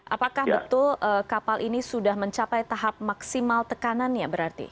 apakah betul kapal ini sudah mencapai tahap maksimal tekanannya berarti